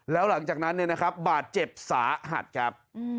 แล้วหลังจากนั้นเนี่ยนะครับบาดเจ็บสาหัสครับ